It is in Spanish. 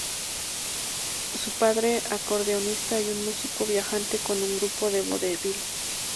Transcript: Su padre acordeonista y un músico viajante con un grupo de vodevil.